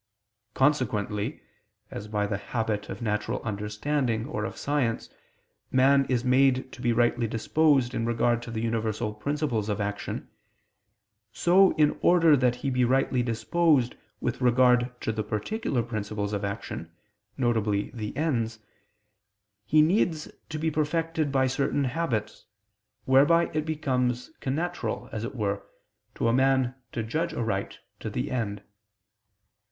Consequently, as by the habit of natural understanding or of science, man is made to be rightly disposed in regard to the universal principles of action; so, in order that he be rightly disposed with regard to the particular principles of action, viz. the ends, he needs to be perfected by certain habits, whereby it becomes connatural, as it were, to man to judge aright to the end.